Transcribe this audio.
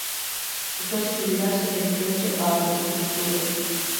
Despois de xubilarse dedicouse á horticultura.